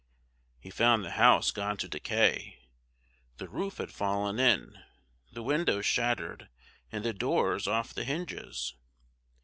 He found the house gone to decay the roof had fallen in, the windows shattered, and the doors off the hinges.